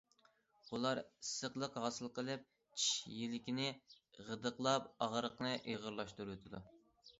بۇلار ئىسسىقلىق ھاسىل قىلىپ، چىش يىلىكىنى غىدىقلاپ ئاغرىقنى ئېغىرلاشتۇرۇۋېتىدۇ.